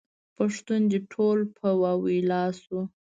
پښتون دې ټول په واویلا شو.